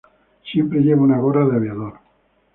Siempre lleva una gorra de aviador.